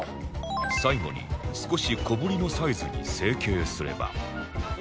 最後に少し小ぶりのサイズに成形すれば